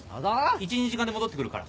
１２時間で戻って来るから。